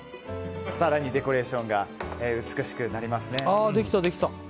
更にデコレーションが美しくなりますね。